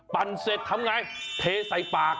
เสร็จทำไงเทใส่ปาก